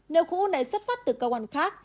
nếu khối u này xuất phát từ cơ quan khác